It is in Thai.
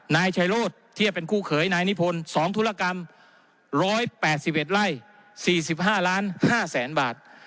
นายชัยโรธที่จะเป็นคู่เขยนายนิพนธ์๒ธุรกรรม๑๘๑ไร่๔๕๕๐๐๐๐บาท